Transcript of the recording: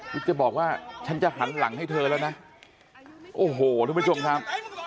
จะบอกว่าฉันจะหันหลังให้เธอแล้วนะโอ้โหทุกผู้ชมครับ